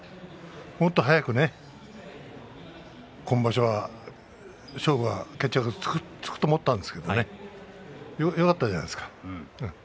もっと早く今場所は勝負が決着がつくと思ったんですけれどよかったんじゃないですか。